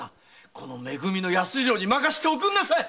この「め組」の安次郎に任せておくんなさい！